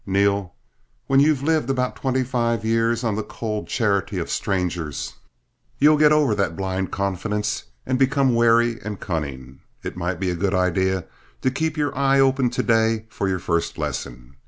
Neal, when you've lived about twenty five years on the cold charity of strangers, you'll get over that blind confidence and become wary and cunning. It might be a good idea to keep your eye open to day for your first lesson.